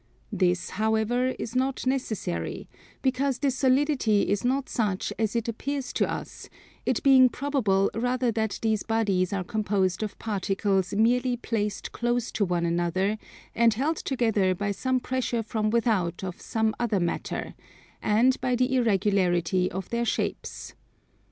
This, however, is not necessary because this solidity is not such as it appears to us, it being probable rather that these bodies are composed of particles merely placed close to one another and held together by some pressure from without of some other matter, and by the irregularity of their shapes.